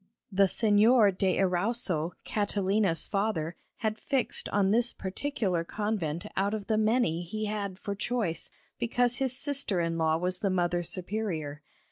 The Señor de Erauso, Catalina's father, had fixed on this particular convent out of the many he had for choice, because his sister in law was the Mother Superior.